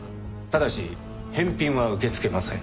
ただし返品は受け付けません。